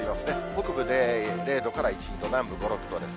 北部で０度から１、２度、南部５、６度です。